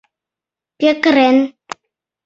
— Кӧ кырен?